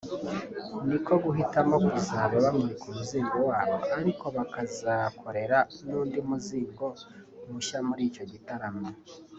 ni ko guhitamo kuzaba bamurika umuzingo wabo ariko bakazakorera n’undi muzingo mushya muri icyo gitaramo